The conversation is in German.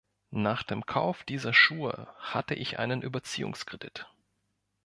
Nach dem Kauf dieser Schuhe hatte ich einen Überziehungskredit